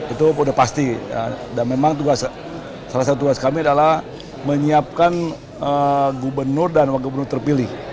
itu sudah pasti dan memang salah satu tugas kami adalah menyiapkan gubernur dan wakil gubernur terpilih